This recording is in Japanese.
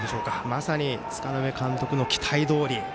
まさに柄目監督の期待どおり。